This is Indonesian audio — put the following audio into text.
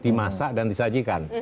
di masak dan disajikan